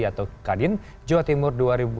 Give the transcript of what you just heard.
atau kadin jawa timur dua ribu sebelas dua ribu empat belas